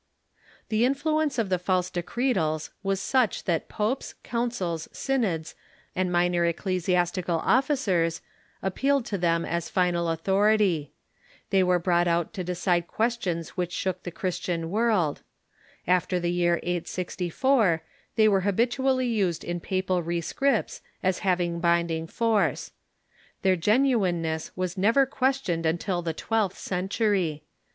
The influence of the false Decretals was such that popes, councils, synods, and minor ecclesiastical officers appealed to them as final authority. They Avere brought out the'Decreta/s ^^ decide questions Avhich shook the Christian Avorld. After the year 864 they were habitually used in papal rescripts as having binding force. Their genu ineness Avas never questioned until the twelfth century.